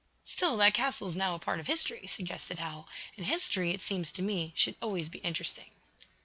"Still, that castle is now a part of history," suggested Hal, "and history, it seems to me, should always be interesting."